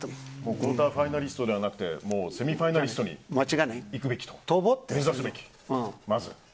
クオーターファイナリストじゃなくてセミファイナリストを目指すべきだと。